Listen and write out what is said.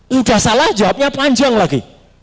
sudah salah jawabnya panjang lagi